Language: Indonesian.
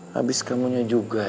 habis kamu juga sih